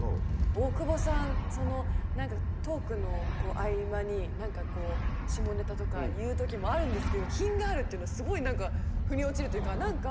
大久保さん何かトークの合間に下ネタとか言う時もあるんですけど品があるっていうのすごい何か腑に落ちるというか何か。